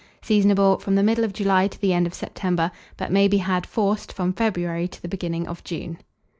Seasonable from the middle of July to the end of September; but may be had, forced, from February to the beginning of June.